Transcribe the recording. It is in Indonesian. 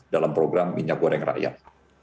dalam program minyak goreng rakyat